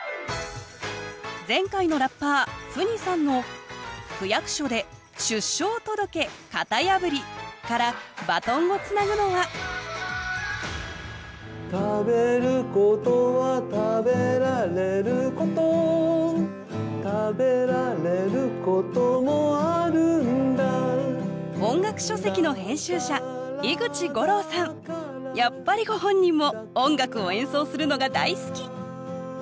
前回のラッパーＦＵＮＩさんの「区役所で出生届型破り」からバトンをつなぐのは食べることは食べられること食べられることもあるんだやっぱりご本人も音楽を演奏するのが大好き。